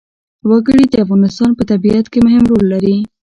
وګړي د افغانستان په طبیعت کې مهم رول لري.